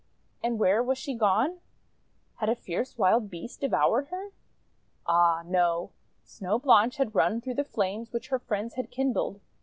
And where was she gone? Had a fierce wild beast devoured her? Ah, no! Snow Blanche had run through the flames her friends had kindled.